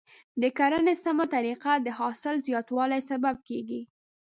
د کرنې سمه طریقه د حاصل زیاتوالي سبب کیږي.